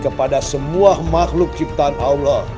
kepada semua makhluk ciptaan allah